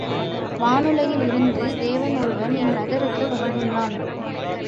வானுலகிலிருந்து தேவன் ஒருவன் இந் நகருக்கு வந்துள்ளான்.